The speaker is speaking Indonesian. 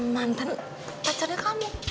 mantan pacarnya kamu